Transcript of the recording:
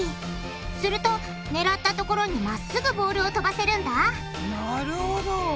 すると狙ったところにまっすぐボールをとばせるんだなるほど。